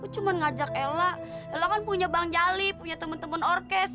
cuma ngajak ella ella kan punya bang jalib punya teman teman orkes